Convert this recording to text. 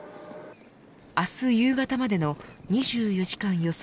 明日夕方までの２４時間予想